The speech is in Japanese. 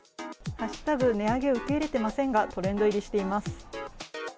値上げ受け入れてません」がトレンド入りしています。